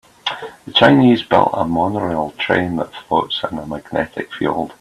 The Chinese built a monorail train that floats on a magnetic field.